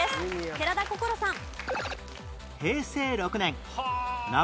寺田心さん。